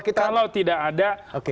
kalau tidak ada